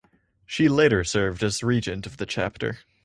She later served as regent of the Chapter.